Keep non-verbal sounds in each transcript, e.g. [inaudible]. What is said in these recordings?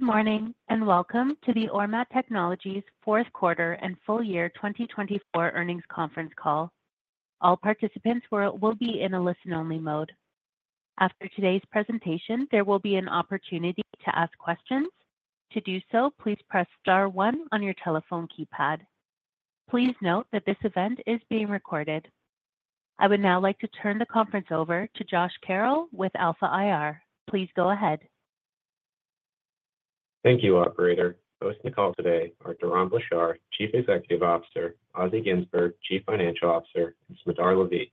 Good morning and welcome to the Ormat Technologies Fourth Quarter and Full Year 2024 Earnings Conference Call. All participants will be in a listen-only mode. After today's presentation, there will be an opportunity to ask questions. To do so, please press star one on your telephone keypad. Please note that this event is being recorded. I would now like to turn the conference over to Josh Carroll with Alpha IR. Please go ahead. Thank you, Operator. Hosting the call today are Doron Blachar, Chief Executive Officer, Assi Ginzburg, Chief Financial Officer, and Smadar Lavi,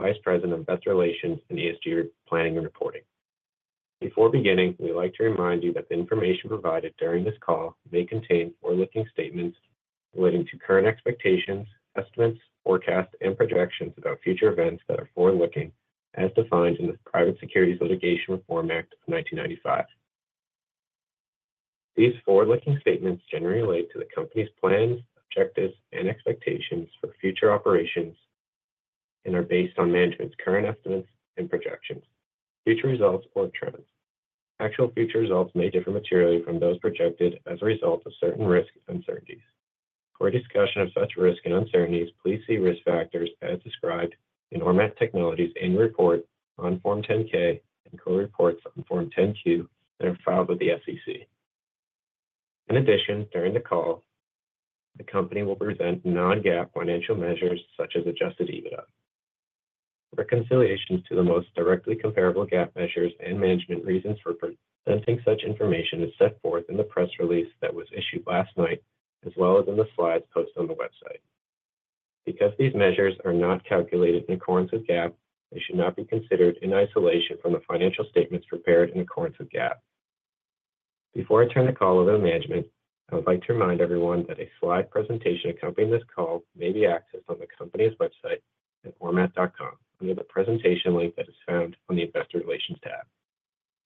Vice President of Investor Relations and ESG Planning and Reporting. Before beginning, we'd like to remind you that the information provided during this call may contain forward-looking statements relating to current expectations, estimates, forecasts, and projections about future events that are forward-looking, as defined in the Private Securities Litigation Reform Act of 1995. These forward-looking statements generally relate to the company's plans, objectives, and expectations for future operations and are based on management's current estimates and projections, future results, or trends. Actual future results may differ materially from those projected as a result of certain risk uncertainties. For discussion of such risk and uncertainties, please see risk factors as described in Ormat Technologies' annual report on Form 10-K and quarterly reports on Form 10-Q that are filed with the SEC. In addition, during the call, the company will present non-GAAP financial measures such as Adjusted EBITDA. Reconciliations to the most directly comparable GAAP measures and management reasons for presenting such information are set forth in the press release that was issued last night, as well as in the slides posted on the website. Because these measures are not calculated in accordance with GAAP, they should not be considered in isolation from the financial statements prepared in accordance with GAAP. Before I turn the call over to management, I would like to remind everyone that a slide presentation accompanying this call may be accessed on the company's website at ormat.com under the presentation link that is found on the Investor Relations tab.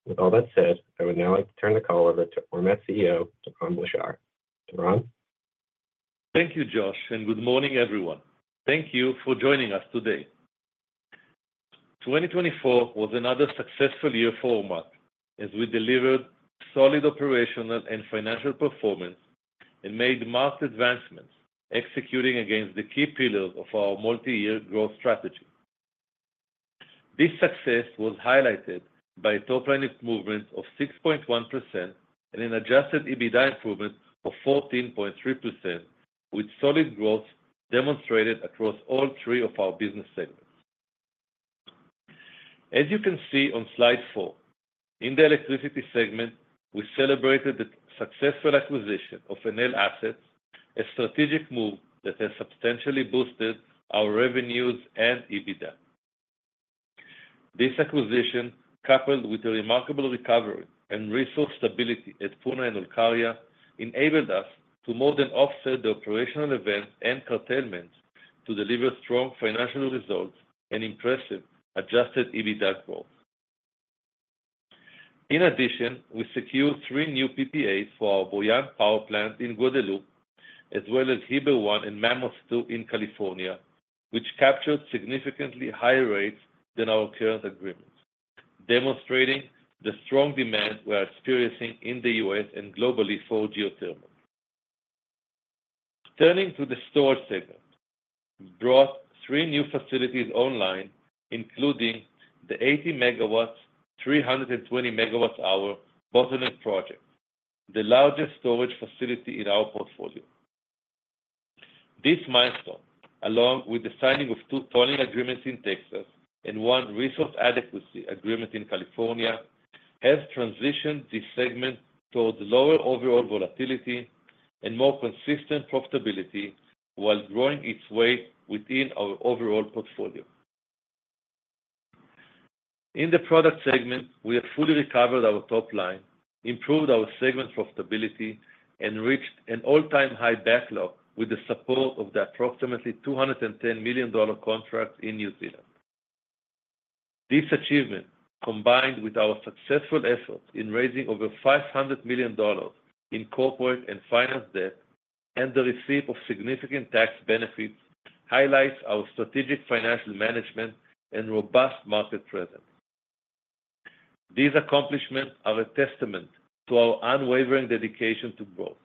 With all that said, I would now like to turn the call over to Ormat CEO, Doron Blachar. Doron? Thank you, Josh, and good morning, everyone. Thank you for joining us today. 2024 was another successful year for Ormat, as we delivered solid operational and financial performance and made marked advancements, executing against the key pillars of our multi-year growth strategy. This success was highlighted by a top-line improvement of 6.1% and an adjusted EBITDA improvement of 14.3%, with solid growth demonstrated across all three of our business segments. As you can see on slide four, in the electricity segment, we celebrated the successful acquisition of Enel Assets, a strategic move that has substantially boosted our revenues and EBITDA. This acquisition, coupled with a remarkable recovery and resource stability at Puna and Olkaria, enabled us to more than offset the operational events and curtailments to deliver strong financial results and impressive adjusted EBITDA growth. In addition, we secured three new PPAs for our Bouillante Power Plant in Guadeloupe, as well as Heber 1 and Mammoth 2 in California, which captured significantly higher rates than our current agreements, demonstrating the strong demand we are experiencing in the U.S. and globally for geothermal. Turning to the storage segment, we brought three new facilities online, including the 80 Megawatts, 320 Megawatts-hour Bottleneck Project, the largest storage facility in our portfolio. This milestone, along with the signing of two tolling agreements in Texas and one resource adequacy agreement in California, has transitioned this segment towards lower overall volatility and more consistent profitability while growing its weight within our overall portfolio. In the product segment, we have fully recovered our top line, improved our segment profitability, and reached an all-time high backlog with the support of the approximately $210 million contract in New Zealand. This achievement, combined with our successful efforts in raising over $500 million in corporate and finance debt and the receipt of significant tax benefits, highlights our strategic financial management and robust market presence. These accomplishments are a testament to our unwavering dedication to growth.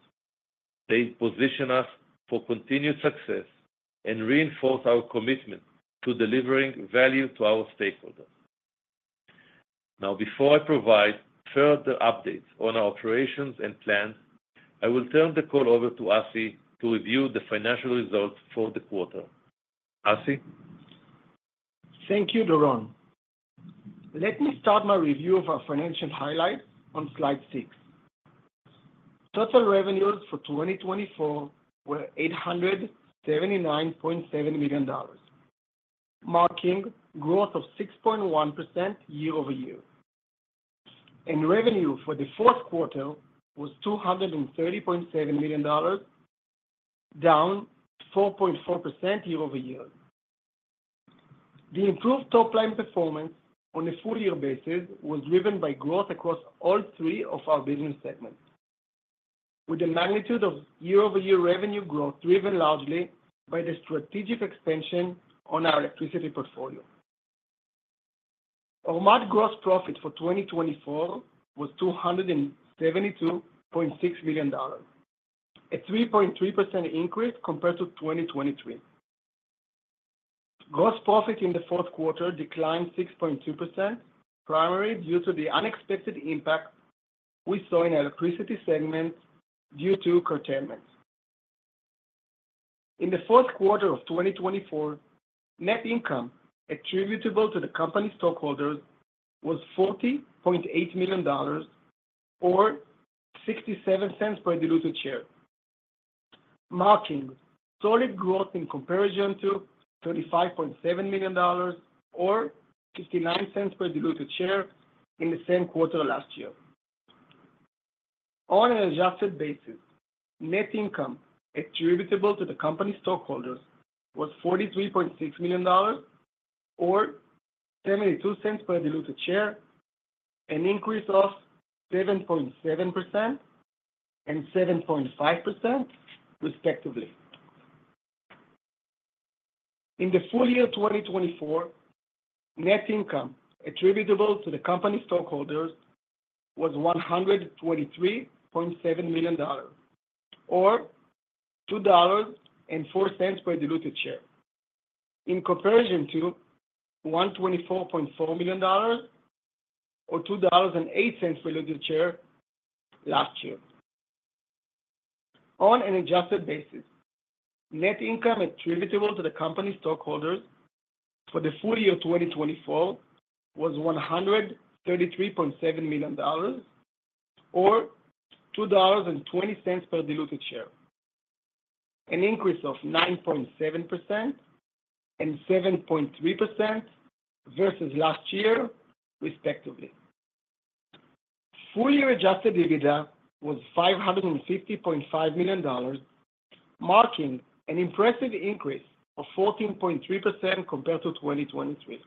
They position us for continued success and reinforce our commitment to delivering value to our stakeholders. Now, before I provide further updates on our operations and plans, I will turn the call over to Assi to review the financial results for the quarter. Assi? Thank you, Doron. Let me start my review of our financial highlights on slide six. Total revenues for 2024 were $879.7 million, marking growth of 6.1% year-over-year. And revenue for the fourth quarter was $230.7 million, down 4.4% year-over-year. The improved top-line performance on a full-year basis was driven by growth across all three of our business segments, with the magnitude of year-over-year revenue growth driven largely by the strategic expansion on our electricity portfolio. Ormat's gross profit for 2024 was $272.6 million, a 3.3% increase compared to 2023. Gross profit in the fourth quarter declined 6.2%, primarily due to the unexpected impact we saw in the electricity segment due to curtailments. In the fourth quarter of 2024, net income attributable to the company's stockholders was $40.8 million, or $0.67 per diluted share, marking solid growth in comparison to $35.7 million, or $0.59 per diluted share in the same quarter last year. On an adjusted basis, net income attributable to the company's stockholders was $43.6 million, or $0.72 per diluted share, an increase of 7.7% and 7.5%, respectively. In the full year 2024, net income attributable to the company's stockholders was $123.7 million, or $2.04 per diluted share, in comparison to $124.4 million, or $2.08 per diluted share last year. On an adjusted basis, net income attributable to the company's stockholders for the full year 2024 was $133.7 million, or $2.20 per diluted share, an increase of 9.7% and 7.3% versus last year, respectively. Full-year adjusted EBITDA was $550.5 million, marking an impressive increase of 14.3% compared to 2023.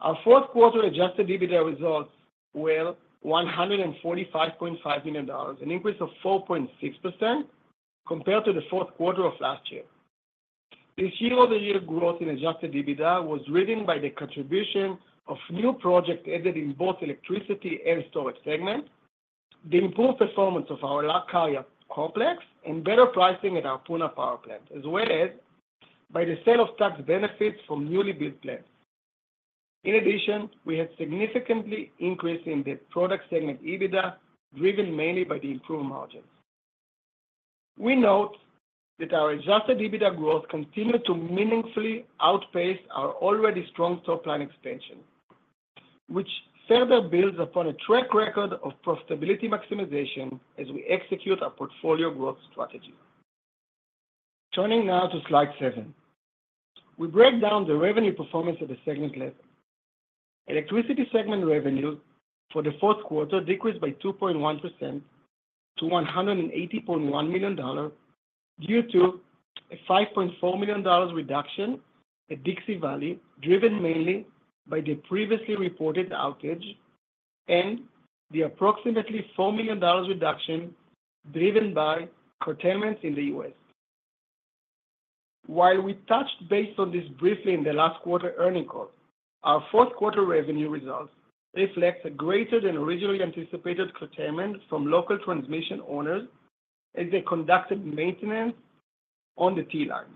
Our fourth quarter adjusted EBITDA results were $145.5 million, an increase of 4.6% compared to the fourth quarter of last year. This year-over-year growth in adjusted EBITDA was driven by the contribution of new projects added in both electricity and storage segments, the improved performance of our Olkaria complex, and better pricing at our Puna Power Plant, as well as by the sale of tax benefits from newly built plants. In addition, we had a significant increase in the product segment EBITDA, driven mainly by the improved margins. We note that our adjusted EBITDA growth continued to meaningfully outpace our already strong top-line expansion, which further builds upon a track record of profitability maximization as we execute our portfolio growth strategy. Turning now to slide seven, we break down the revenue performance at the segment level. Electricity segment revenues for the fourth quarter decreased by 2.1% to $180.1 million due to a $5.4 million reduction at Dixie Valley, driven mainly by the previously reported outage and the approximately $4 million reduction driven by curtailments in the U.S. While we touched base on this briefly in the last quarter earnings call, our fourth quarter revenue results reflect a greater-than-originally anticipated curtailment from local transmission owners as they conducted maintenance on the T-lines.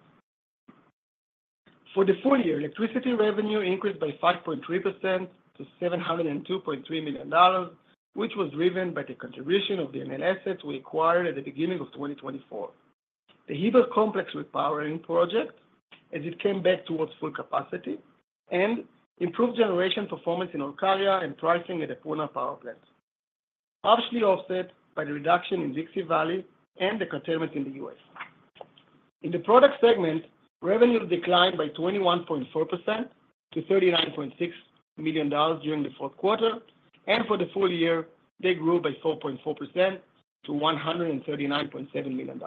For the full year, electricity revenue increased by 5.3% to $702.3 million, which was driven by the contribution of the Enel Assets we acquired at the beginning of 2024, the Heber Complex Repowering Project as it came back towards full capacity, and improved generation performance in Olkaria and pricing at the Puna Power Plant, partially offset by the reduction in Dixie Valley and the curtailments in the US. In the product segment, revenues declined by 21.4% to $39.6 million during the fourth quarter, and for the full year, they grew by 4.4% to $139.7 million.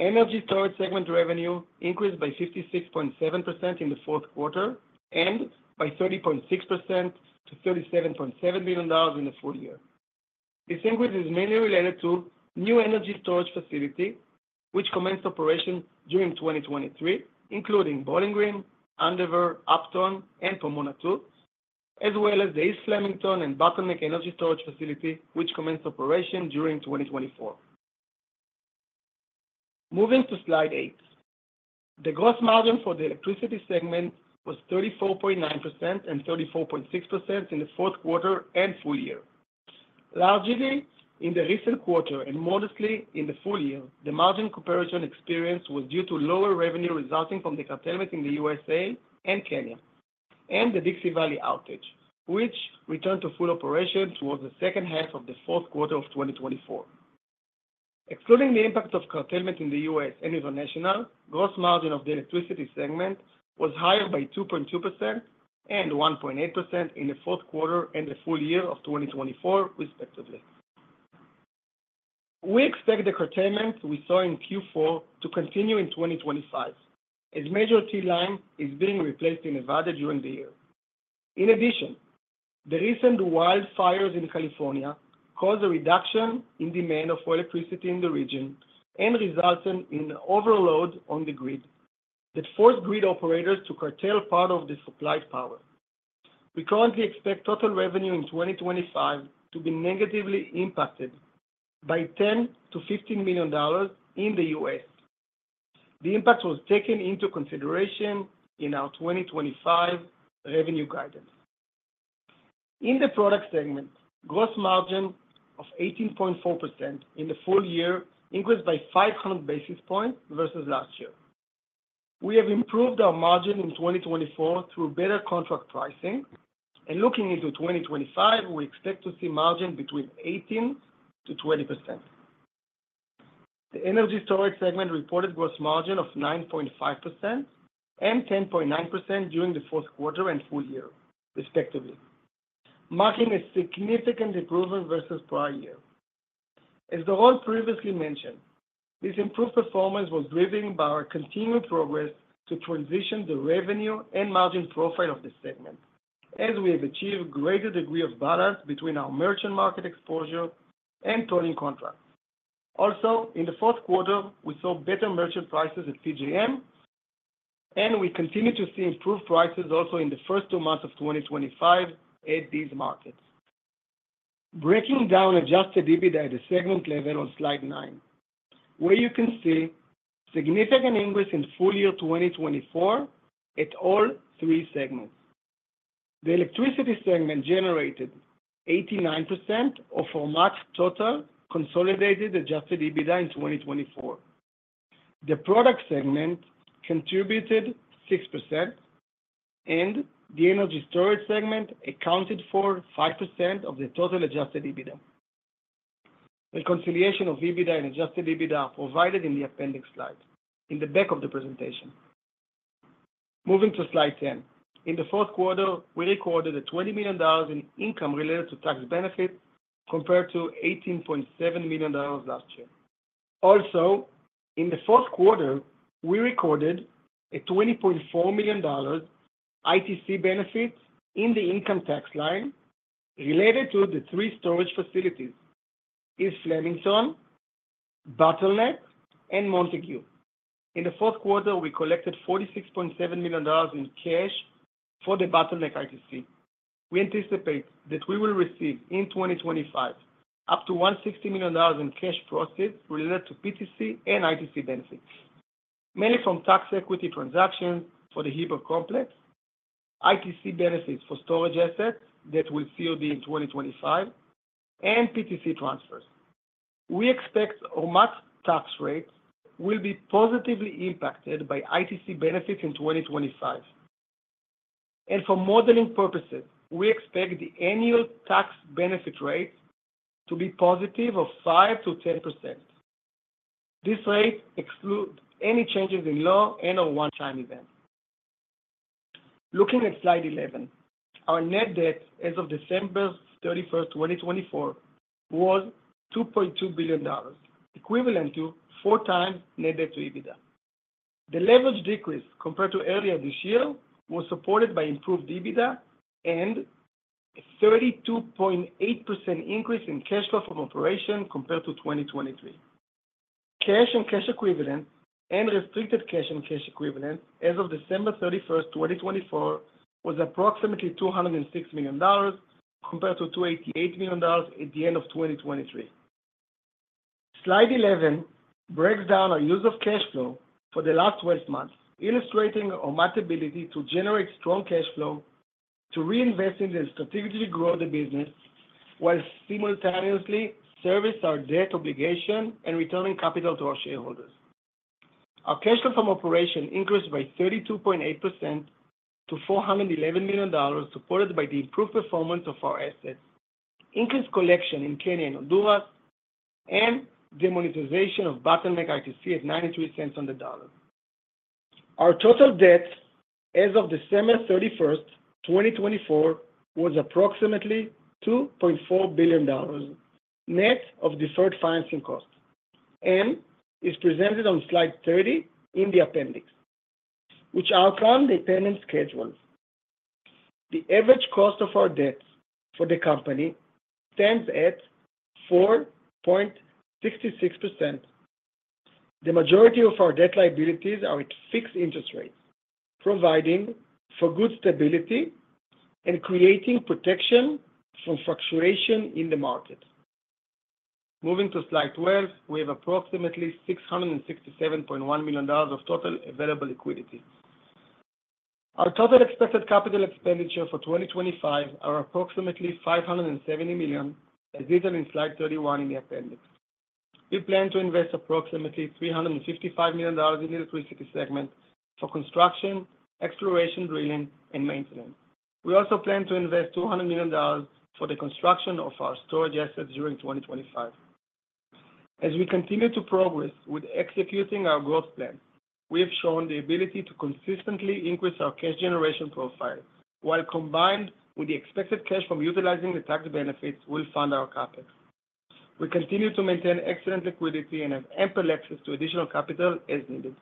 Energy storage segment revenue increased by 56.7% in the fourth quarter and by 30.6% to $37.7 million in the full year. This increase is mainly related to new energy storage facilities, which commenced operation during 2023, including Bowling Green, Andover, Upton, and Pomona 2, as well as the East Flemington and Bottleneck Energy Storage Facility, which commenced operation during 2024. Moving to slide eight, the gross margin for the electricity segment was 34.9% and 34.6% in the fourth quarter and full year. Largely in the recent quarter and modestly in the full year, the margin comparison experience was due to lower revenue resulting from the curtailment in the U.S. and Kenya and the Dixie Valley Outage, which returned to full operation towards the second half of the fourth quarter of 2024. Excluding the impact of curtailment in the U.S. and international, the gross margin of the electricity segment was higher by 2.2% and 1.8% in the fourth quarter and the full year of 2024, respectively. We expect the curtailment we saw in Q4 to continue in 2025, as major T-line is being replaced in Nevada during the year. In addition, the recent wildfires in California caused a reduction in demand for electricity in the region and resulted in overload on the grid that forced grid operators to curtail part of the supplied power. We currently expect total revenue in 2025 to be negatively impacted by $10-$15 million in the U.S. The impact was taken into consideration in our 2025 revenue guidance. In the product segment, the gross margin of 18.4% in the full year increased by 500 basis points versus last year. We have improved our margin in 2024 through better contract pricing, and looking into 2025, we expect to see margins between 18%-20%. The energy storage segment reported a gross margin of 9.5% and 10.9% during the fourth quarter and full year, respectively, marking a significant improvement versus prior years. As Doron previously mentioned, this improved performance was driven by our continued progress to transition the revenue and margin profile of the segment, as we have achieved a greater degree of balance between our merchant market exposure and tolling contracts. Also, in the fourth quarter, we saw better merchant prices at PJM, and we continue to see improved prices also in the first two months of 2025 at these markets. Breaking down Adjusted EBITDA at the segment level on slide nine, where you can see a significant increase in full year 2024 at all three segments. The electricity segment generated 89% of Ormat's total consolidated Adjusted EBITDA in 2024. The product segment contributed 6%, and the energy storage segment accounted for 5% of the total Adjusted EBITDA. Reconciliation of EBITDA and Adjusted EBITDA are provided in the appendix slide in the back of the presentation. Moving to slide 10, in the fourth quarter, we recorded $20 million in income related to tax benefits compared to $18.7 million last year. Also, in the fourth quarter, we recorded a $20.4 million ITC benefit in the income tax line related to the three storage facilities: East Flemington, Bottleneck, and Montague. In the fourth quarter, we collected $46.7 million in cash for the Bottleneck ITC. We anticipate that we will receive in 2025 up to $160 million in cash profits related to PTC and ITC benefits, mainly from tax equity transactions for the Heber Complex, ITC benefits for storage assets that will COD in 2025, and PTC transfers. We expect Ormat's tax rates will be positively impacted by ITC benefits in 2025. And for modeling purposes, we expect the annual tax benefit rate to be positive of 5%-10%. This rate excludes any changes in law and/or one-time events. Looking at slide 11, our net debt as of December 31, 2024, was $2.2 billion, equivalent to four times net debt to EBITDA. The leverage decrease compared to earlier this year was supported by improved EBITDA and a 32.8% increase in cash flow from operations compared to 2023. Cash and cash equivalents and restricted cash and cash equivalents as of December 31, 2024, was approximately $206 million compared to $288 million at the end of 2023. Slide 11 breaks down our use of cash flow for the last 12 months, illustrating Ormat's ability to generate strong cash flow to reinvest in the strategically growing business while simultaneously servicing our debt obligation and returning capital to our shareholders. Our cash flow from operations increased by 32.8% to $411 million, supported by the improved performance of our assets, income collection in Kenya and Honduras, and monetization of Bottleneck ITC at $0.93 on the dollar. Our total debt as of December 31st, 2024, was approximately $2.4 billion net of deferred financing costs, and is presented on slide 30 in the appendix, which outlines the payment schedules. The average cost of our debts for the company stands at 4.66%. The majority of our debt liabilities are at fixed interest rates, providing for good stability and creating protection from fluctuation in the market. Moving to slide 12, we have approximately $667.1 million of total available liquidity. Our total expected capital expenditure for 2025 is approximately $570 million, as detailed in slide 31 in the appendix. We plan to invest approximately $355 million in the electricity segment for construction, exploration, drilling, and maintenance. We also plan to invest $200 million for the construction of our storage assets during 2025. As we continue to progress with executing our growth plan, we have shown the ability to consistently increase our cash generation profile, while combined with the expected cash from utilizing the tax benefits, we'll fund our CapEx. We continue to maintain excellent liquidity and have ample access to additional capital as needed.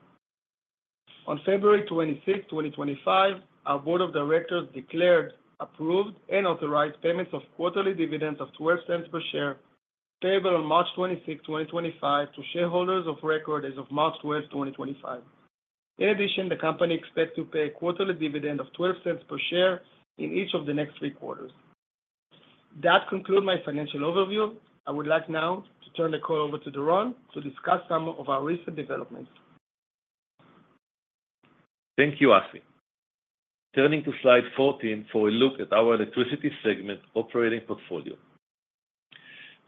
On February 26, 2025, our Board of Directors declared approved and authorized payments of quarterly dividends of $0.12 per share, payable on March 26, 2025, to shareholders of record as of March 12, 2025. In addition, the company expects to pay a quarterly dividend of $0.12 per share in each of the next three quarters. That concludes my financial overview. I would like now to turn the call over to Doron to discuss some of our recent developments. Thank you, Assi. Turning to slide 14 for a look at our electricity segment operating portfolio.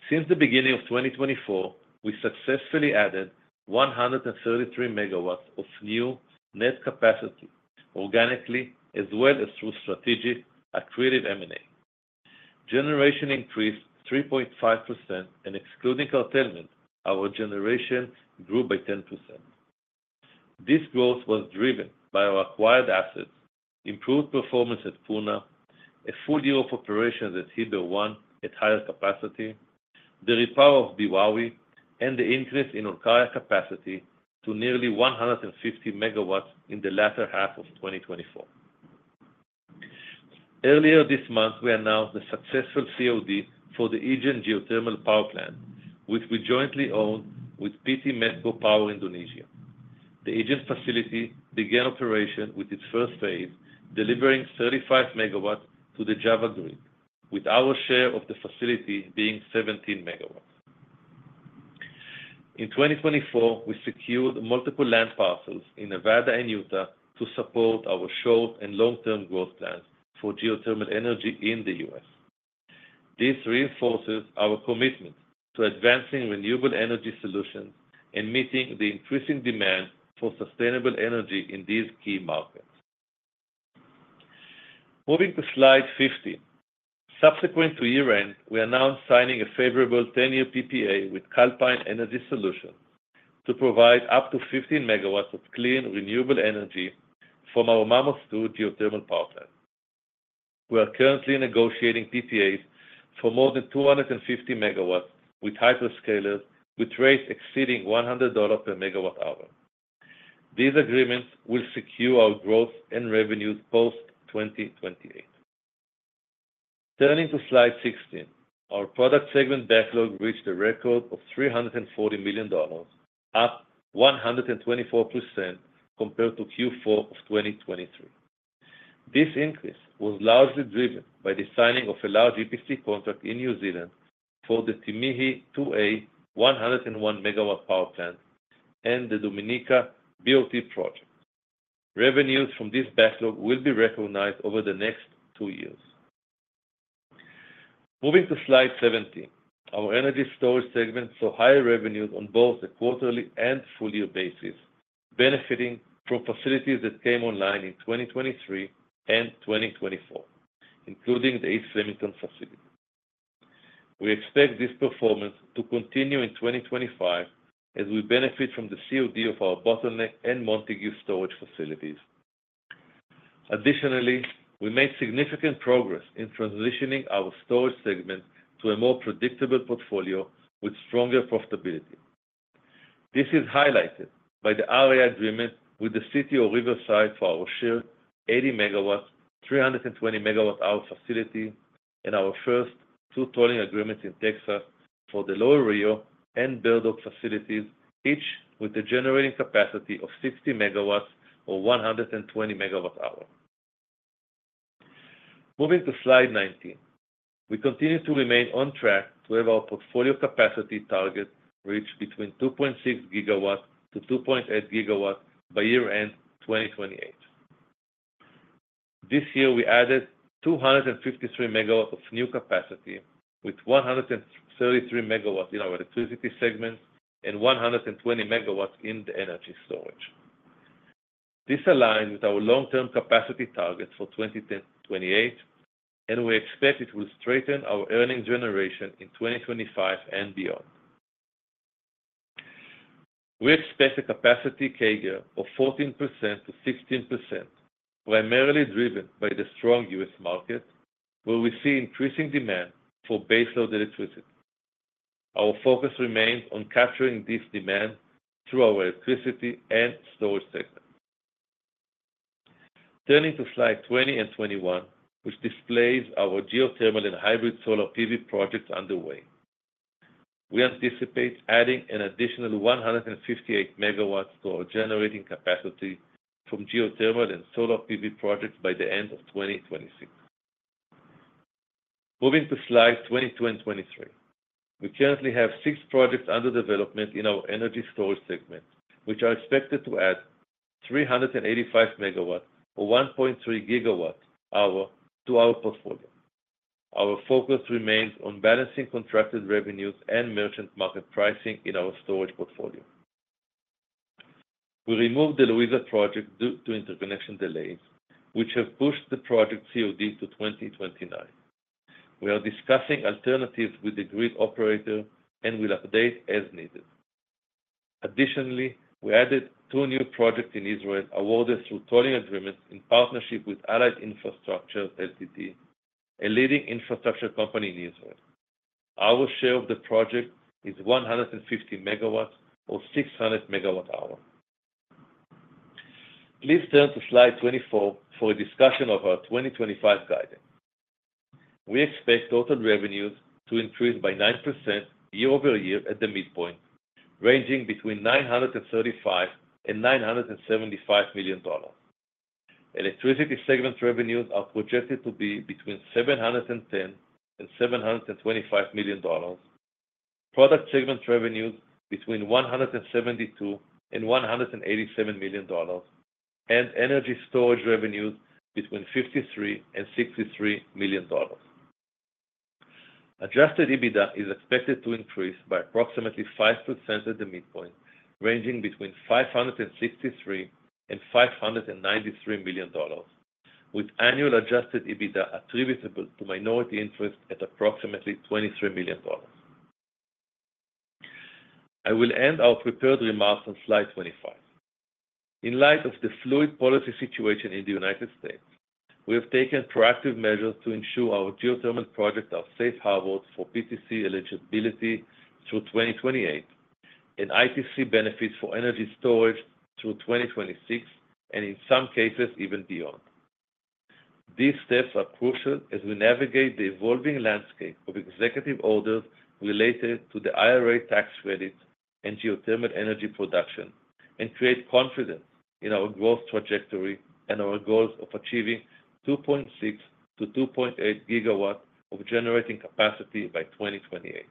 Since the beginning of 2024, we successfully added 133 Megawatts of new net capacity organically, as well as through strategic accretive M&A. Generation increased 3.5%, and excluding curtailment, our generation grew by 10%. This growth was driven by our acquired assets, improved performance at Puna, a full year of operations at Heber 1 at higher capacity, the repower of Beowawe, and the increase in Olkaria capacity to nearly 150 Megawatts in the latter half of 2024. Earlier this month, we announced the successful COD for the Ijen Geothermal Power Plant, which we jointly own with PT Medco Power Indonesia. The Ijen facility began operation with its first phase, delivering 35 Megawatts to the Java grid, with our share of the facility being 17 Megawatts. In 2024, we secured multiple land parcels in Nevada and Utah to support our short and long-term growth plans for geothermal energy in the U.S. This reinforces our commitment to advancing renewable energy solutions and meeting the increasing demand for sustainable energy in these key markets. Moving to slide 15, subsequent to year-end, we announced signing a favorable 10-year PPA with Calpine Energy Solutions to provide up to 15 Megawatts of clean renewable energy from our Mammoth 2 geothermal power plant. We are currently negotiating PPAs for more than 250 Megawatts with hyperscalers, with rates exceeding $100 per Megawatt-hour. These agreements will secure our growth and revenues post-2028. Turning to slide 16, our product segment backlog reached a record of $340 million, up 124% compared to Q4 of 2023. This increase was largely driven by the signing of a large EPC contract in New Zealand for the Te Mihi 2A 101 Megawatt power plant and the Dominica BOT project. Revenues from this backlog will be recognized over the next two years. Moving to slide 17, our energy storage segment saw higher revenues on both a quarterly and full-year basis, benefiting from facilities that came online in 2023 and 2024, including the East Flemington facility. We expect this performance to continue in 2025 as we benefit from the COD of our Bottleneck and Montague storage facilities. Additionally, we made significant progress in transitioning our storage segment to a more predictable portfolio with stronger profitability. This is highlighted by the RA agreement with the City of Riverside for our share 80 Megawatts, 320 Megawatt-hour facility, and our first two tolling agreements in Texas for the Lower Rio and Bird Dog facilities, each with a generating capacity of 60 Megawatts or 120 Megawatt-hour. Moving to slide 19, we continue to remain on track to have our portfolio capacity target reach between 2.6-2.8 GW by year-end 2028. This year, we added 253 Megawatts of new capacity, with 133 Megawatts in our electricity segment and 120 Megawatts in the energy storage. This aligns with our long-term capacity targets for 2028, and we expect it will strengthen our earnings generation in 2025 and beyond. We expect a capacity CAGR of 14%-16%, primarily driven by the strong U.S. market, where we see increasing demand for baseload electricity. Our focus remains on capturing this demand through our electricity and storage segment. Turning to slide 20 and 21, which displays our geothermal and hybrid solar PV projects underway, we anticipate adding an additional 158 Megawatts to our generating capacity from geothermal and solar PV projects by the end of 2026. Moving to slide 22 and 23, we currently have six projects under development in our energy storage segment, which are expected to add 385 Megawatts or 1.3 GW-hours to our portfolio. Our focus remains on balancing contracted revenues and merchant market pricing in our storage portfolio. We removed the Louisa project due to interconnection delays, which have pushed the project COD to 2029. We are discussing alternatives with the grid operator and will update as needed. Additionally, we added two new projects in Israel awarded through tolling agreements in partnership with Allied Infrastructure Ltd., a leading infrastructure company in Israel. Our share of the project is 150 Megawatts or 600 Megawatt-hour. Please turn to slide 24 for a discussion of our 2025 guidance. We expect total revenues to increase by 9% year-over-year at the midpoint, ranging between $935-$975 million. Electricity segment revenues are projected to be between $710-$725 million, product segment revenues between $172-$187 million, and energy storage revenues between $53-$63 million. Adjusted EBITDA is expected to increase by approximately 5% at the midpoint, ranging between $563-$593 million, with annual adjusted EBITDA attributable to minority interest at approximately $23 million. I will end our prepared remarks on slide 25. In light of the fluid policy situation in the United States, we have taken proactive measures to ensure our geothermal projects are safe harbors for PTC eligibility through 2028, and ITC benefits for energy storage through 2026, and in some cases, even beyond. These steps are crucial as we navigate the evolving landscape of executive orders related to the IRA tax credit and geothermal energy production and create confidence in our growth trajectory and our goals of achieving 2.6-2.8 GW of generating capacity by 2028.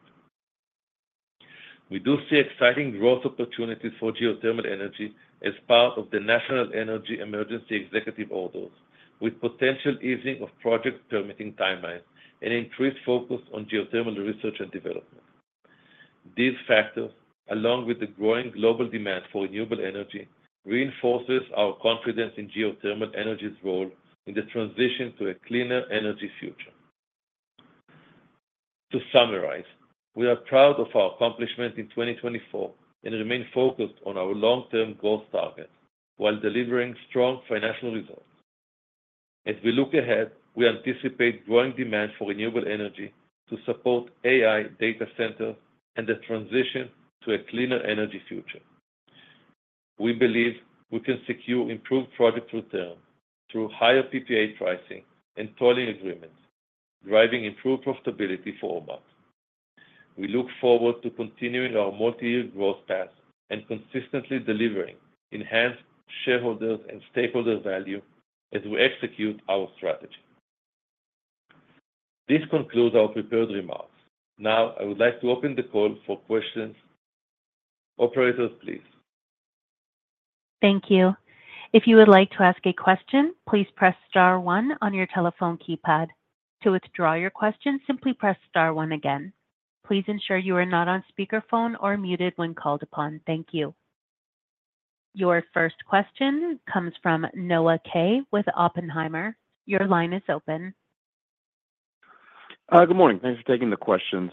We do see exciting growth opportunities for geothermal energy as part of the National Energy Emergency Executive Orders, with potential easing of project permitting timelines and increased focus on geothermal research and development. These factors, along with the growing global demand for renewable energy, reinforces our confidence in geothermal energy's role in the transition to a cleaner energy future. To summarize, we are proud of our accomplishments in 2024 and remain focused on our long-term growth targets while delivering strong financial results. As we look ahead, we anticipate growing demand for renewable energy to support AI data centers and the transition to a cleaner energy future. We believe we can secure improved project returns through higher PPA pricing and tolling agreements, driving improved profitability for Ormat. We look forward to continuing our multi-year growth path and consistently delivering enhanced shareholders' and stakeholders' value as we execute our strategy. This concludes our prepared remarks. Now, I would like to open the call for questions. Operators, please. Thank you. If you would like to ask a question, please press star one on your telephone keypad. To withdraw your question, simply press star one again. Please ensure you are not on speakerphone or muted when called upon. Thank you. Your first question comes from Noah Kaye with Oppenheimer. Your line is open. Good morning. Thanks for taking the questions.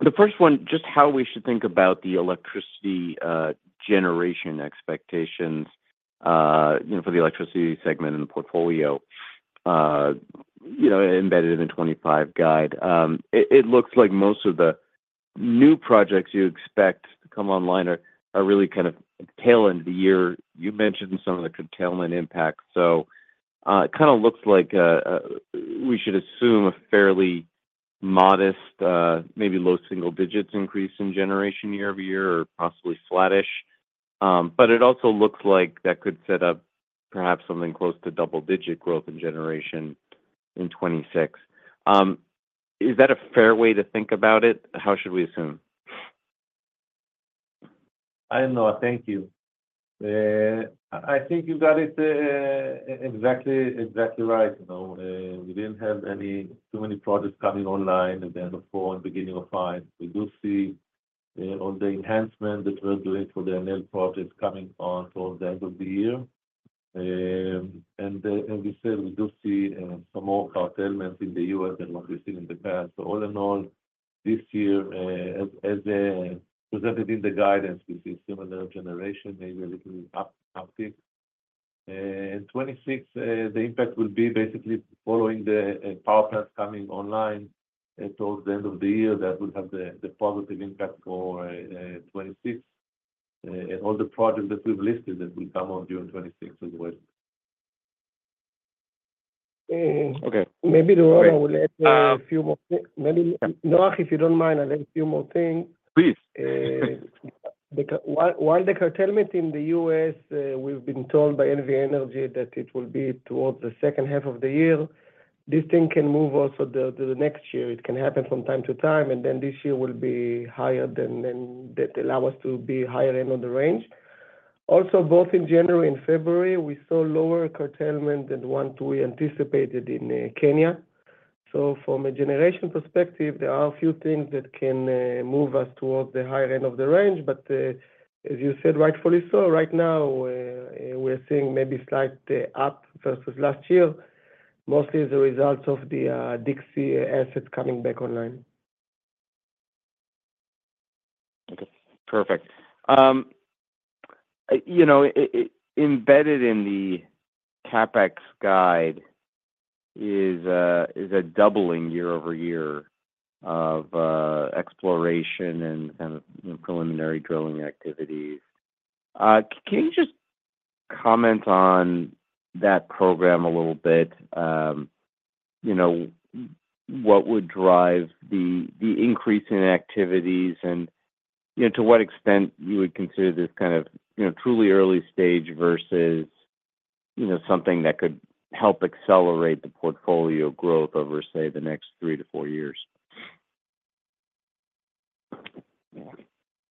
The first one, just how we should think about the electricity generation expectations for the electricity segment in the portfolio embedded in the 2025 guide? It looks like most of the new projects you expect to come online are really kind of tail-end of the year. You mentioned some of the curtailment impacts. So it kind of looks like we should assume a fairly modest, maybe low single-digit increase in generation year-over-year, or possibly flatish. But it also looks like that could set up perhaps something close to double-digit growth in generation in 2026. Is that a fair way to think about it? How should we assume? I know. Thank you. I think you got it exactly right. We didn't have too many projects coming online at the end of 2024 and beginning of 2025. We do see all the enhancements that we're doing for the Enel projects coming on towards the end of the year. And as we said, we do see some more curtailments in the U.S. than what we've seen in the past. So all in all, this year, as presented in the guidance, we see similar generation, maybe a little uptick. In 2026, the impact will be basically following the power plants coming online towards the end of the year. That will have the positive impact for 2026 and all the projects that we've listed that will come on during 2026 as well. Okay. [crosstalk] Maybe, Noah, if you don't mind, I'll add a few more things. Please. While the curtailment in the U.S., we've been told by NV Energy that it will be towards the second half of the year, this thing can move also to the next year. It can happen from time to time, and then this year will be higher than that allow us to be higher end of the range. Also, both in January and February, we saw lower curtailment than one we anticipated in Kenya. So from a generation perspective, there are a few things that can move us towards the higher end of the range. But as you said rightfully so, right now, we are seeing maybe slight up versus last year, mostly as a result of the Dixie assets coming back online. Okay. Perfect. Embedded in the CapEx guide is a doubling year-over-year of exploration and kind of preliminary drilling activities. Can you just comment on that program a little bit? What would drive the increase in activities and to what extent you would consider this kind of truly early stage versus something that could help accelerate the portfolio growth over, say, the next three to four years?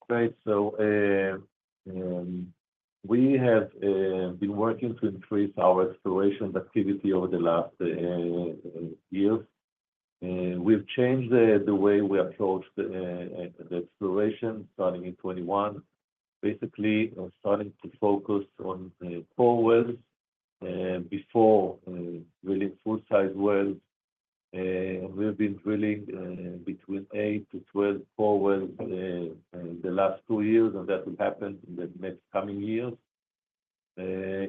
Right. So we have been working to increase our exploration activity over the last years. We've changed the way we approached the exploration starting in 2021. Basically, we're starting to focus on four wells before drilling full-size wells. We've been drilling between 8-12 full wells in the last two years, and that will happen in the next coming years.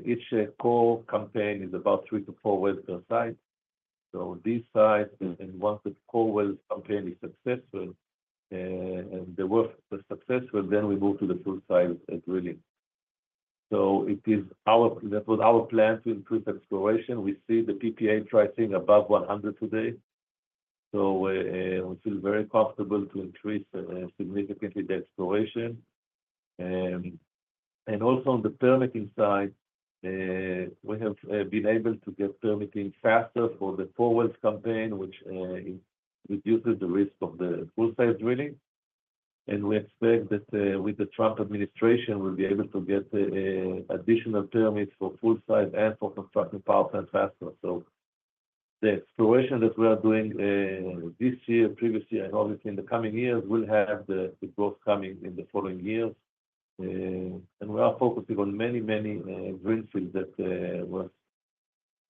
Each core campaign is about three to four wells per site. So these sites, and once the core wells campaign is successful and the work is successful, then we move to the full-size drilling. So that was our plan to increase exploration. We see the PPA pricing above 100 today. So we feel very comfortable to increase significantly the exploration. And also on the permitting side, we have been able to get permitting faster for the four wells campaign, which reduces the risk of the full-size drilling. And we expect that with the Trump administration, we'll be able to get additional permits for full-size and for construction power plants faster. So the exploration that we are doing this year, previous year, and obviously in the coming years will have the growth coming in the following years. And we are focusing on many, many greenfields that were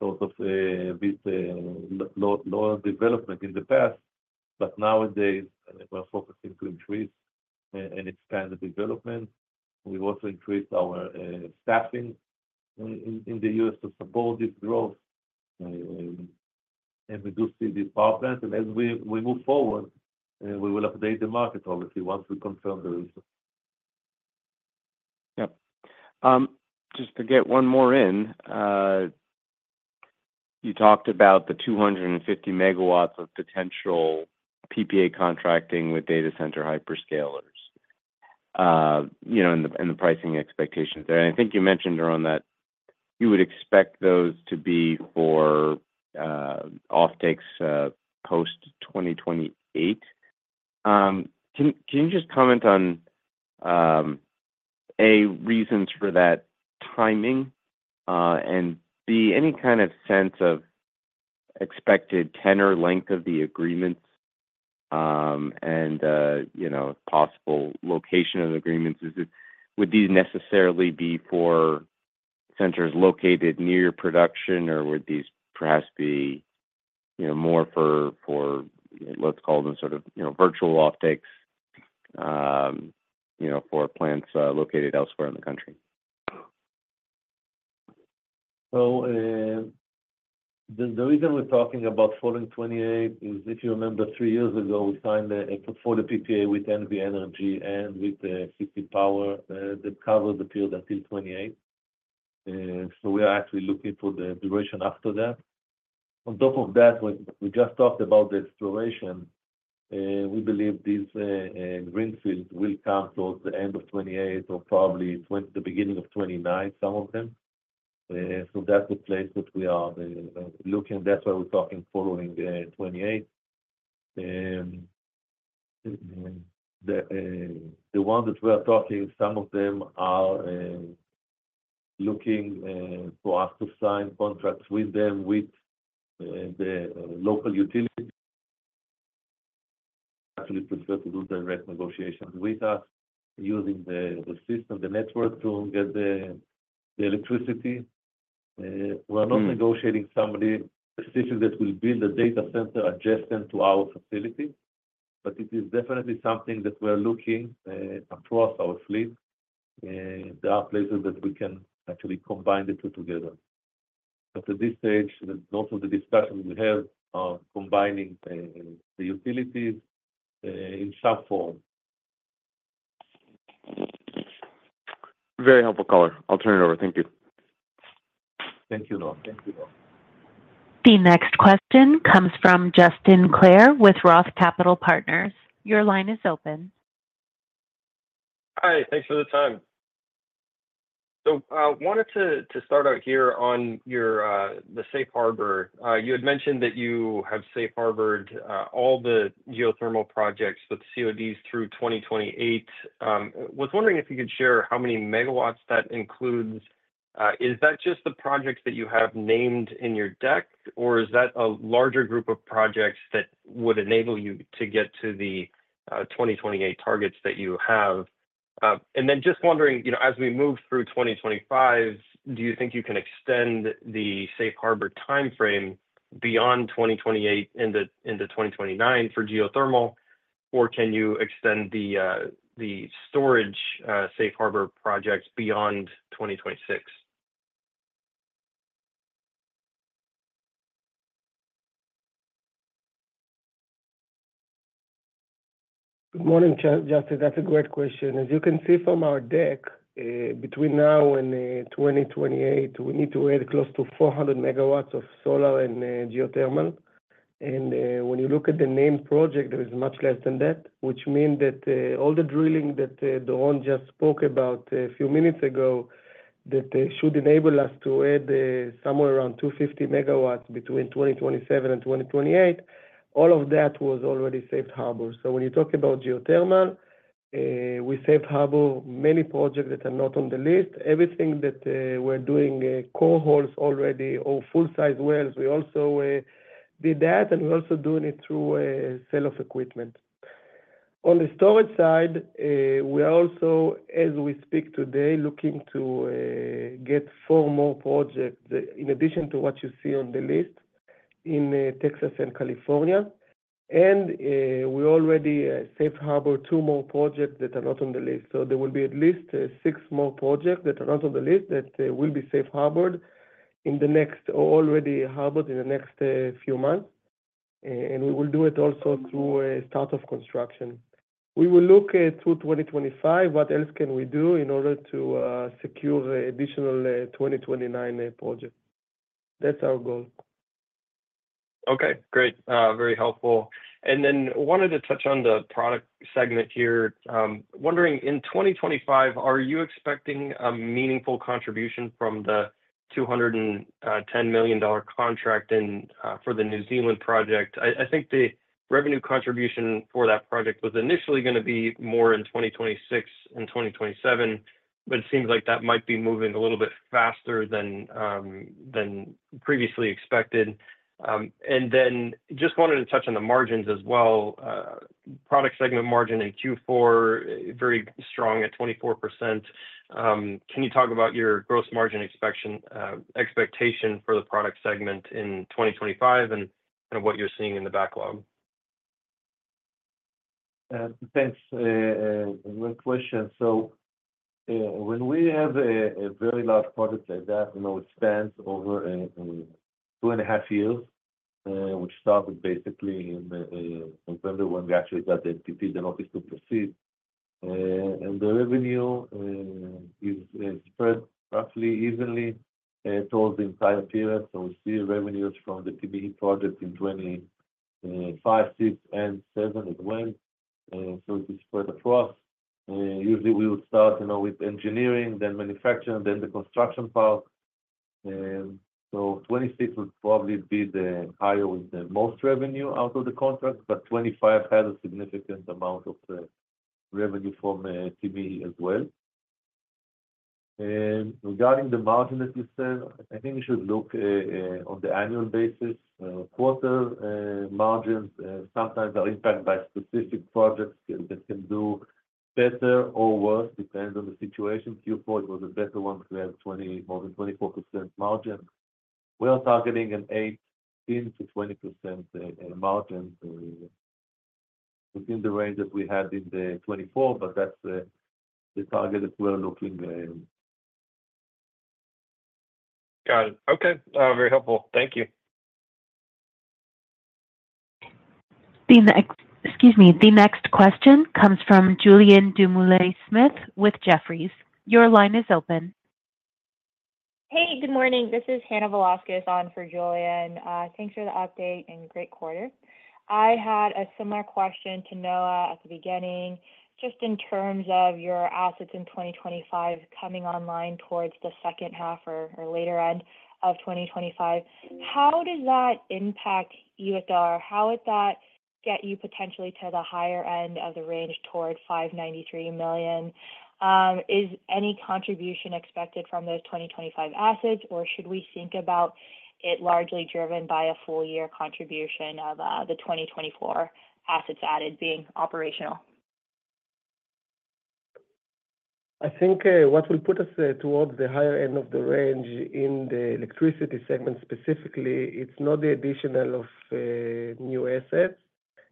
sort of with lower development in the past. But nowadays, we're focusing to increase and expand the development. We've also increased our staffing in the U.S. to support this growth. And we do see these power plants. And as we move forward, we will update the market, obviously, once we confirm the results. Yep. Just to get one more in, you talked about the 250 Megawatts of potential PPA contracting with data center hyperscalers and the pricing expectations there, and I think you mentioned earlier on that you would expect those to be for offtakes post-2028. Can you just comment on, A, reasons for that timing, and B, any kind of sense of expected tenor length of the agreements and possible location of the agreements? Would these necessarily be for centers located near your production, or would these perhaps be more for, let's call them, sort of virtual offtakes for plants located elsewhere in the country? So the reason we're talking about following 2028 is, if you remember, three years ago, we signed a portfolio PPA with NV Energy and with the power that covered the period until 2028, so we are actually looking for the duration after that. On top of that, we just talked about the exploration. We believe these greenfields will come towards the end of 2028 or probably the beginning of 2029, some of them. So that's the place that we are looking. That's why we're talking following 2028. The ones that we are talking, some of them are looking for us to sign contracts with them with the local utility. Actually prefer to do direct negotiations with us using the system, the network to get the electricity. We are not negotiating somebody specifically that will build a data center adjacent to our facility. But it is definitely something that we are looking across our fleet. There are places that we can actually combine the two together. But at this stage, most of the discussions we have are combining the utilities in some form. Very helpful colour. I'll turn it over. Thank you. Thank you, Noah. The next question comes from Justin Clare with Roth Capital Partners. Your line is open. Hi. Thanks for the time. So I wanted to start out here on the Safe Harbor. You had mentioned that you have safe-harbored all the geothermal projects with CODs through 2028. I was wondering if you could share how many Megawatts that includes. Is that just the projects that you have named in your deck, or is that a larger group of projects that would enable you to get to the 2028 targets that you have? And then just wondering, as we move through 2025, do you think you can extend the Safe Harbor timeframe beyond 2028 into 2029 for geothermal, or can you extend the storage Safe Harbor projects beyond 2026? Good morning, Justin. That's a great question. As you can see from our deck, between now and 2028, we need to add close to 400 Megawatts of solar and geothermal, and when you look at the named project, there is much less than that, which means that all the drilling that Doron just spoke about a few minutes ago that should enable us to add somewhere around 250 Megawatts between 2027 and 2028, all of that was already safe harbor, so when you talk about geothermal, we safe harbor many projects that are not on the list. Everything that we're doing, core holes already or full-size wells, we also did that, and we're also doing it through sale of equipment. On the storage side, we are also, as we speak today, looking to get four more projects in addition to what you see on the list in Texas and California. We already safe-harbored two more projects that are not on the list. So there will be at least six more projects that are not on the list that will be safe-harbored in the next or already safe-harbored in the next few months. We will do it also through start of construction. We will look through 2025, what else can we do in order to secure additional 2029 projects? That's our goal. Okay. Great. Very helpful. And then wanted to touch on the product segment here. Wondering, in 2025, are you expecting a meaningful contribution from the $210 million contract for the New Zealand project? I think the revenue contribution for that project was initially going to be more in 2026 and 2027, but it seems like that might be moving a little bit faster than previously expected. And then just wanted to touch on the margins as well. Product segment margin in Q4, very strong at 24%. Can you talk about your gross margin expectation for the product segment in 2025 and kind of what you're seeing in the backlog? Thanks. Great question. So when we have a very large project like that, it spans over two and a half years, which started basically in November when we actually got the NTPs in office to proceed. And the revenue is spread roughly evenly towards the entire period. So we see revenues from the EPC project in 2025, 2026, and 2027 as well. So it is spread across. Usually, we would start with engineering, then manufacturing, then the construction part. So 2026 would probably be the higher with the most revenue out of the contract, but 2025 has a significant amount of revenue from PPE as well. Regarding the margin that you said, I think you should look on the annual basis. Quarter margins sometimes are impacted by specific projects that can do better or worse, depending on the situation. Q4 was a better one because we have more than 24% margin. We are targeting an 18%-20% margin within the range that we had in 2024, but that's the target that we're looking at. Got it. Okay. Very helpful. Thank you. Excuse me. The next question comes from Julian Dumoulin-Smith with Jefferies. Your line is open. Hey, good morning. This is Hannah Velasquez on for Julian. Thanks for the update and great quarter. I had a similar question to Noah at the beginning, just in terms of your assets in 2025 coming online towards the second half or later end of 2025. How does that impact EBITDA? How would that get you potentially to the higher end of the range toward $593 million? Is any contribution expected from those 2025 assets, or should we think about it largely driven by a full-year contribution of the 2024 assets added being operational? I think what will put us towards the higher end of the range in the electricity segment specifically, it's not the addition of new assets.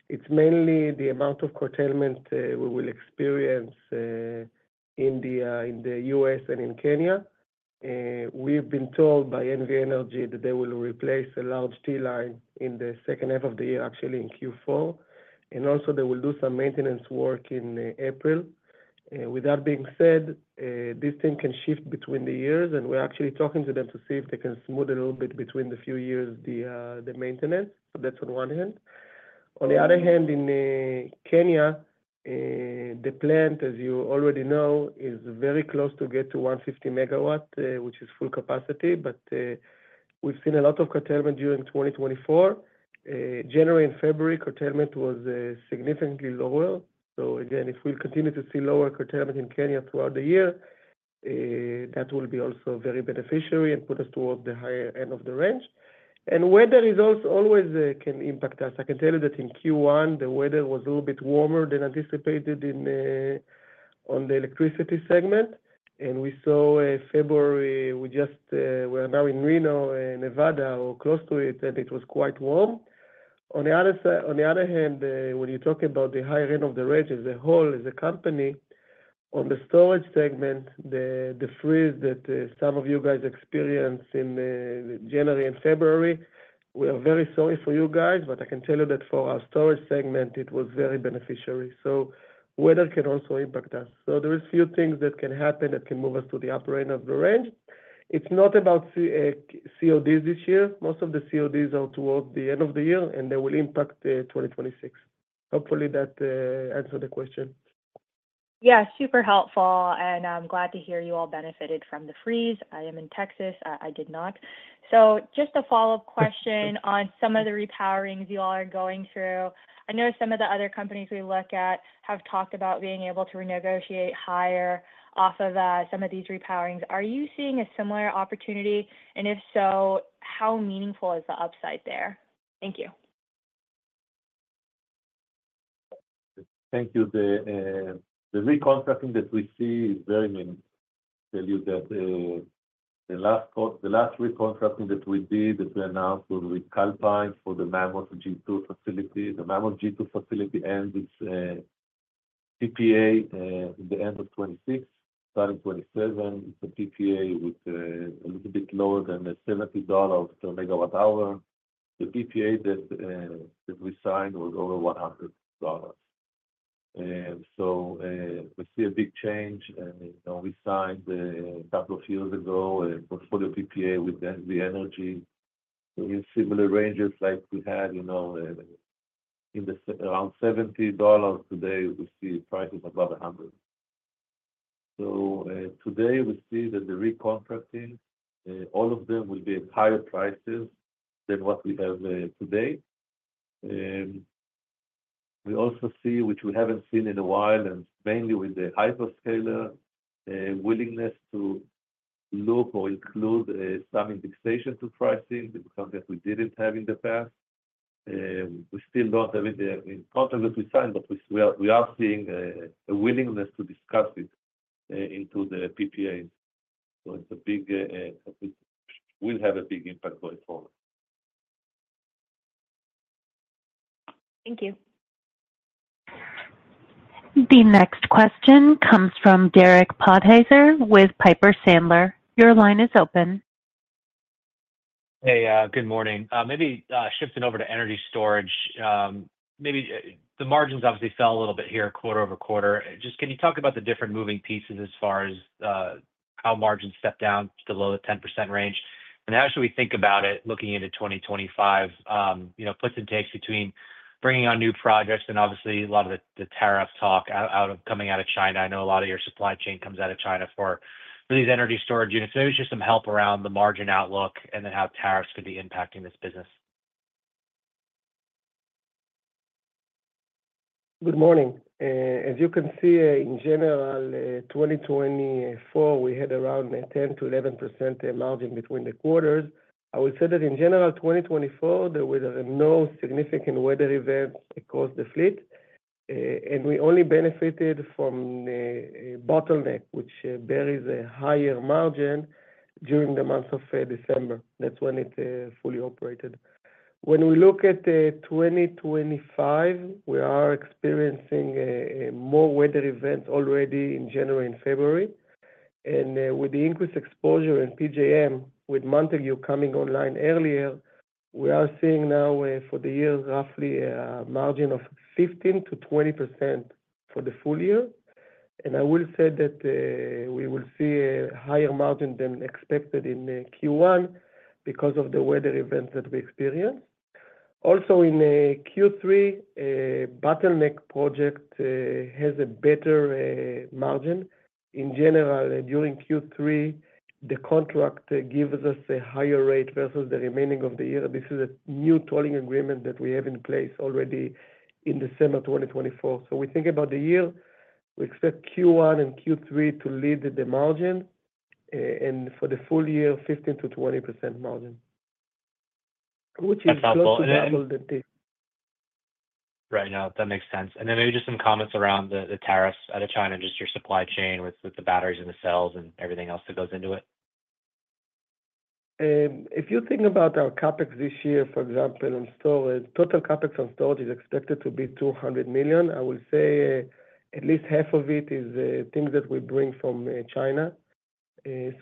It's mainly the amount of curtailment we will experience in the U.S. and in Kenya. We've been told by NV Energy that they will replace a large T-line in the second half of the year, actually in Q4. And also, they will do some maintenance work in April. With that being said, this thing can shift between the years, and we're actually talking to them to see if they can smooth a little bit between the few years the maintenance. That's on one hand. On the other hand, in Kenya, the plant, as you already know, is very close to get to 150 Megawatts, which is full capacity. But we've seen a lot of curtailment during 2024. January and February, curtailment was significantly lower. So again, if we continue to see lower curtailment in Kenya throughout the year, that will be also very beneficial and put us towards the higher end of the range. And weather results always can impact us. I can tell you that in Q1, the weather was a little bit warmer than anticipated on the electricity segment. And we saw February, we just were now in Reno, Nevada, or close to it, and it was quite warm. On the other hand, when you talk about the higher end of the range, as a whole, as a company, on the storage segment, the freeze that some of you guys experienced in January and February, we are very sorry for you guys, but I can tell you that for our storage segment, it was very beneficial. So weather can also impact us. So there are a few things that can happen that can move us to the upper end of the range. It's not about CODs this year. Most of the CODs are towards the end of the year, and they will impact 2026. Hopefully, that answered the question. Yes, super helpful, and I'm glad to hear you all benefited from the freeze. I am in Texas. I did not, so just a follow-up question on some of the repowerings you all are going through. I know some of the other companies we look at have talked about being able to renegotiate higher off of some of these repowerings. Are you seeing a similar opportunity? And if so, how meaningful is the upside there? Thank you. Thank you. The recontracting that we see is very meaningful. I'll tell you that the last recontacting that we did, that we announced with Calpine for the Mammoth 2 facility, the Mammoth 2 facility ends its PPA at the end of 2026. Starting 2027, it's a PPA with a little bit lower than $70 per Megawatt-hour. The PPA that we signed was over $100. So we see a big change. We signed a couple of years ago a portfolio PPA with NV Energy. We have similar ranges like we had around $70 today. We see prices above $100. So today, we see that the recontracting, all of them will be at higher prices than what we have today. We also see, which we haven't seen in a while, and mainly with the hyperscaler willingness to look or include some indexation to pricing because we didn't have in the past. We still don't have it in the contract that we signed, but we are seeing a willingness to discuss it into the PPAs. So it will have a big impact going forward. Thank you. The next question comes from Derek Podhaizer with Piper Sandler. Your line is open. Hey, good morning. Maybe shifting over to energy storage. The margins obviously fell a little bit here quarter over quarter. Just can you talk about the different moving pieces as far as how margins stepped down to the low 10% range? And how should we think about it looking into 2025? Puts and takes between bringing on new projects and obviously a lot of the tariff talk coming out of China. I know a lot of your supply chain comes out of China for these energy storage units. Maybe just some help around the margin outlook and then how tariffs could be impacting this business. Good morning. As you can see, in general, 2024, we had around 10%-11% margin between the quarters. I will say that in general, 2024, there were no significant weather events across the fleet, and we only benefited from the Bottleneck, which carries a higher margin during the month of December. That's when it fully operated. When we look at 2025, we are experiencing more weather events already in January and February. And with the increased exposure in PJM, with Montague coming online earlier, we are seeing now for the year roughly a margin of 15%-20% for the full year. And I will say that we will see a higher margin than expected in Q1 because of the weather events that we experienced. Also, in Q3, Bottleneck Project has a better margin. In general, during Q3, the contract gives us a higher rate versus the remaining of the year. This is a new tolling agreement that we have in place already in December 2024. So we think about the year, we expect Q1 and Q3 to lead the margin. And for the full year, 15%-20% margin, which is closer than this. Right. No, that makes sense. And then maybe just some comments around the tariffs out of China, just your supply chain with the batteries and the cells and everything else that goes into it. If you think about our CapEx this year, for example, on storage, total CapEx on storage is expected to be $200 million. I will say at least half of it is things that we bring from China.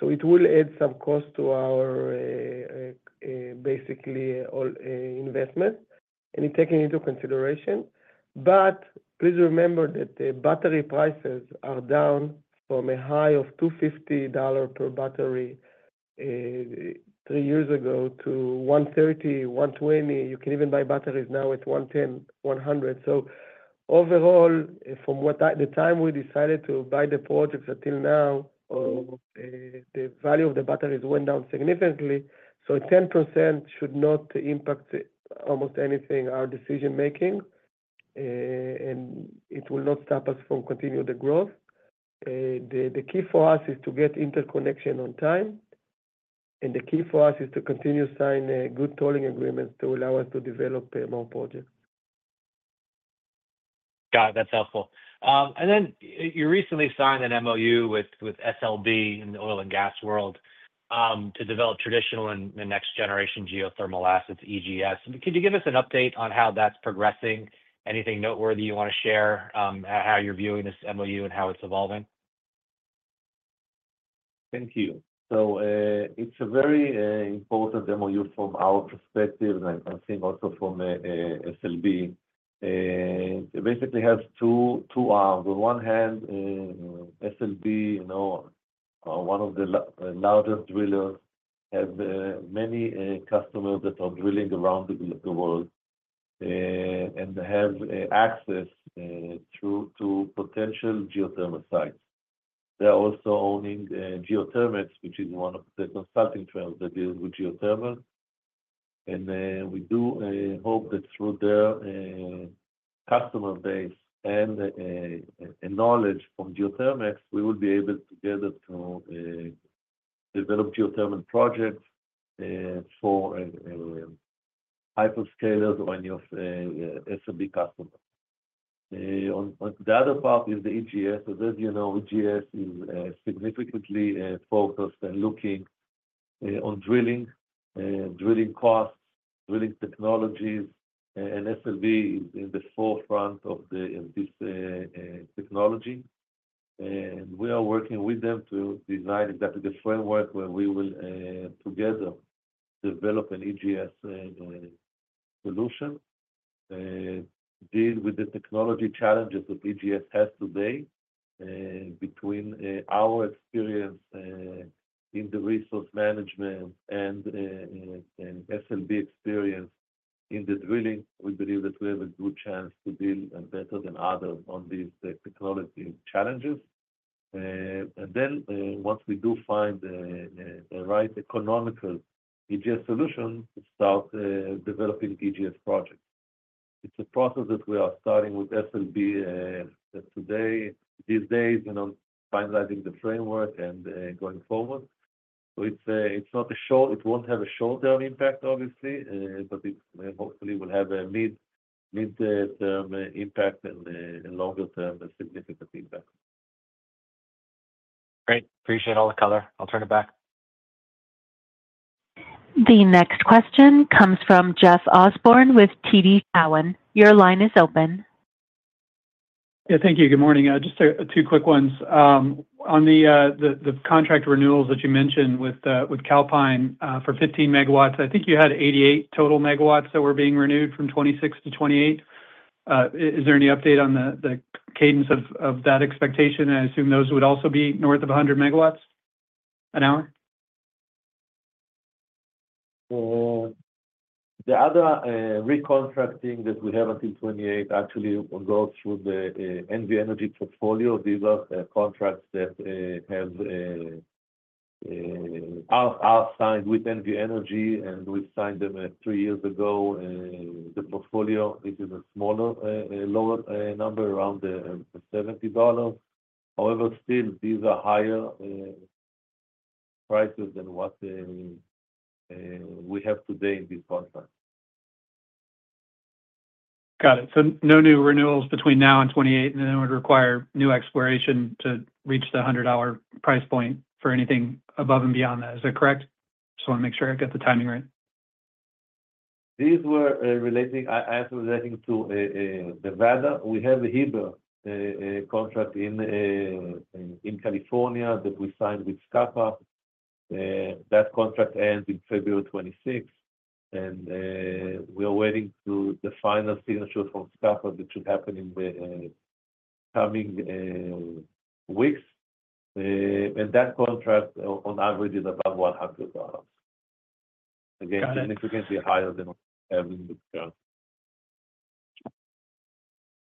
So it will add some cost to our basically investment. And it's taken into consideration. But please remember that the battery prices are down from a high of $250 per battery three years ago to $130, $120. You can even buy batteries now at $110, $100. So overall, from the time we decided to buy the projects until now, the value of the batteries went down significantly. So 10% should not impact almost anything, our decision-making. And it will not stop us from continuing the growth. The key for us is to get interconnection on time. And the key for us is to continue signing good tolling agreements to allow us to develop more projects. Got it. That's helpful. And then you recently signed an MOU with SLB in the oil and gas world to develop traditional and next-generation geothermal assets EGS. Could you give us an update on how that's progressing? Anything noteworthy you want to share how you're viewing this MOU and how it's evolving? Thank you. So it's a very important MOU from our perspective, and I think also from SLB. It basically has two arms. On one hand, SLB, one of the largest drillers, has many customers that are drilling around the world and have access to potential geothermal sites. They're also owning GeothermEx, which is one of the consulting firms that deals with geothermal. And we do hope that through their customer base and knowledge from GeothermEx, we will be able together to develop geothermal projects for hyperscalers or any of SLB customers. The other part is the EGS. As you know, EGS is significantly focused and looking on drilling, drilling costs, drilling technologies, and SLB is in the forefront of this technology. And we are working with them to design exactly the framework where we will together develop an EGS solution, deal with the technology challenges that EGS has today between our experience in the resource management and SLB experience in the drilling. We believe that we have a good chance to deal better than others on these technology challenges. And then once we do find the right economical EGS solution, we start developing EGS projects. It's a process that we are starting with SLB today, these days, and on finalizing the framework and going forward. So it's not a short, it won't have a short-term impact, obviously, but it hopefully will have a mid-term impact and longer-term significant impact. Great. Appreciate all the color. I'll turn it back. The next question comes from Jeff Osborne with TD Cowen. Your line is open. Yeah, thank you. Good morning. Just two quick ones. On the contract renewals that you mentioned with Calpine for 15 Megawatts, I think you had 88 total Megawatts that were being renewed from 2026 to 2028. Is there any update on the cadence of that expectation? I assume those would also be north of 100 Megawatt-hours. The other recontracting that we have until 2028 actually will go through the NV Energy portfolio. These are contracts that we signed with NV Energy, and we signed them three years ago. The portfolio, this is a smaller lower number around $70. However, still, these are higher prices than what we have today in these contracts. Got it. So no new renewals between now and 2028, and then it would require new exploration to reach the $100 price point for anything above and beyond that. Is that correct? Just want to make sure I got the timing right. These were relating, I am relating to Nevada. We have a Heber contract in California that we signed with SCPPA. That contract ends in February 2026. And we are waiting for the final signature from SCPPA that should happen in the coming weeks. And that contract, on average, is above $100. Again, significantly higher than what we have in the current.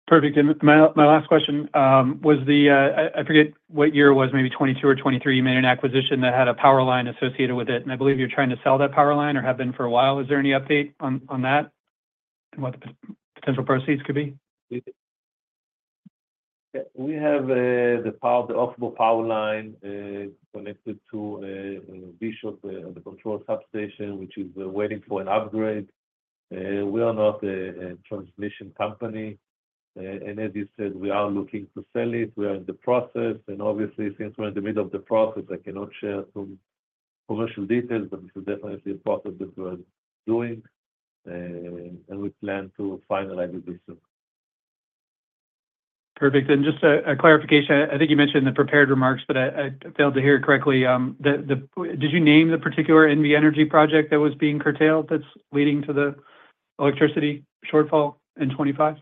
Perfect. And my last question was the, I forget what year it was, maybe 2022 or 2023, you made an acquisition that had a power line associated with it. And I believe you're trying to sell that power line or have been for a while. Is there any update on that and what the potential proceeds could be? We have the [] power line connected to Bishop, the Control substation, which is waiting for an upgrade. We are not a transmission company. And as you said, we are looking to sell it. We are in the process. And obviously, since we're in the middle of the process, I cannot share some commercial details, but this is definitely a process that we're doing. And we plan to finalize it this year. Perfect. And just a clarification, I think you mentioned the prepared remarks, but I failed to hear it correctly. Did you name the particular NV Energy project that was being curtailed that's leading to the electricity shortfall in 2025?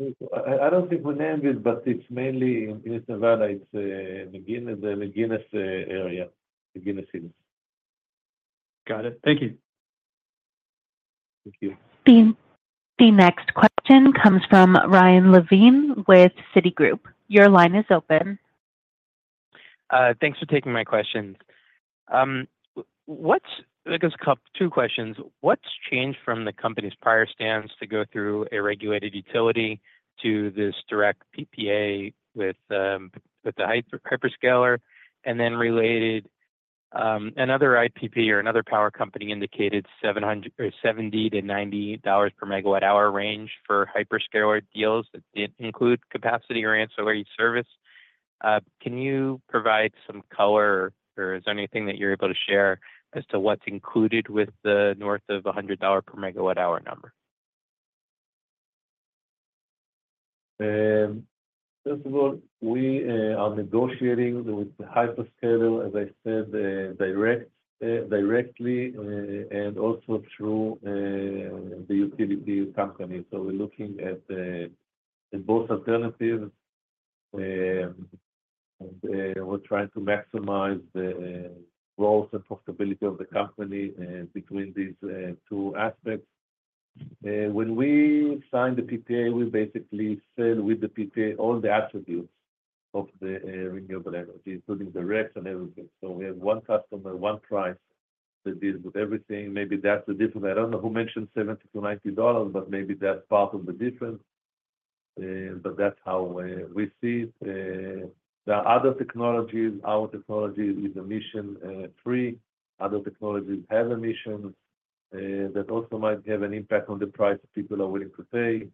I don't think we named it, but it's mainly in Nevada. It's the McGinness area, McGinness Hills. Got it. Thank you. Thank you. The next question comes from Ryan Levine with Citigroup. Your line is open. Thanks for taking my questions. I guess two questions. What's changed from the company's prior stance to go through a regulated utility to this direct PPA with the hyperscaler? And then related, another IPP or another power company indicated $70-$90 per Megawatt-hour range for hyperscaler deals that didn't include capacity or ancillary service. Can you provide some color, or is there anything that you're able to share as to what's included with the north of $100 per Megawatt-hour number? First of all, we are negotiating with the hyperscaler, as I said, directly and also through the utility company. So we're looking at both alternatives. We're trying to maximize the growth and profitability of the company between these two aspects. When we signed the PPA, we basically sell with the PPA all the attributes of the renewable energy, including the RECs and everything. So we have one customer, one price that deals with everything. Maybe that's the difference. I don't know who mentioned $70-$90, but maybe that's part of the difference. But that's how we see it. There are other technologies. Our technology is emission-free. Other technologies have emissions that also might have an impact on the price people are willing to pay.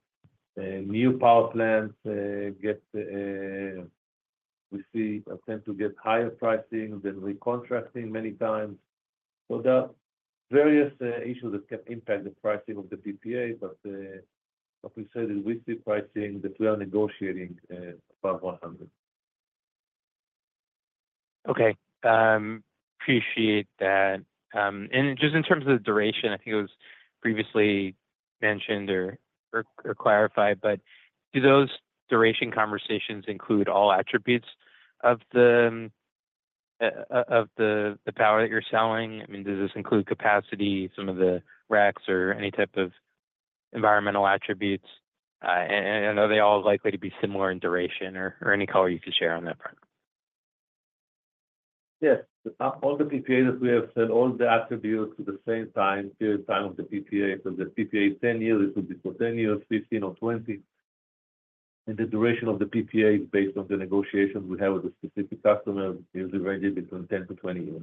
New power plants get, we see, tend to get higher pricing than recontracting many times. So there are various issues that can impact the pricing of the PPA. But what we said is we see pricing that we are negotiating above $100. Okay. Appreciate that. And just in terms of the duration, I think it was previously mentioned or clarified, but do those duration conversations include all attributes of the power that you're selling? I mean, does this include capacity, some of the RECs, or any type of environmental attributes? And are they all likely to be similar in duration or any color you could share on that front? Yes. All the PPA that we have said, all the attributes at the same time, period of time of the PPA. So the PPA is 10 years. It could be for 10 years, 15, or 20. And the duration of the PPA is based on the negotiations we have with the specific customers. Usually, range is between 10-20 years.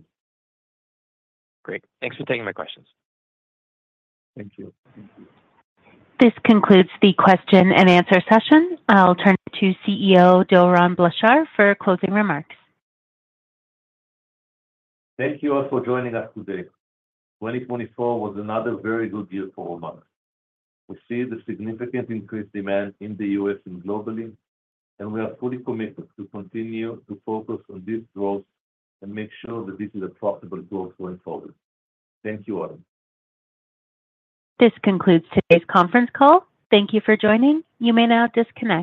Great. Thanks for taking my questions. Thank you. This concludes the question and answer session. I'll turn it to CEO Doron Blachar for closing remarks. Thank you all for joining us today. 2024 was another very good year for all of us. We see the significant increased demand in the U.S. and globally. And we are fully committed to continue to focus on this growth and make sure that this is a profitable growth going forward. Thank you, all. This concludes today's conference call. Thank you for joining. You may now disconnect.